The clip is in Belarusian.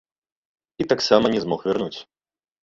І таксама не змог вярнуць.